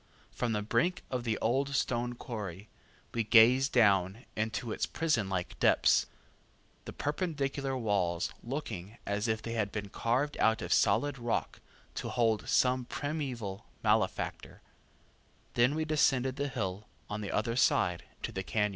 From the brink of the old stone quarry, we gaze down into its prisonlike depths, the perpendicular walls looking as if they had been carved out of solid rock to hold some primeval malefactor; then we descend the hill on the other side to the cañon.